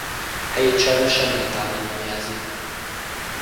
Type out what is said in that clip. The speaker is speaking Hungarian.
Helyét sajnos semmilyen tábla nem jelzi.